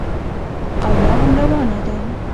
او لا هم روانه ده.